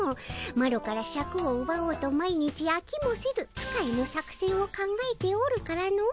マロからシャクをうばおうと毎日あきもせず使えぬ作せんを考えておるからの。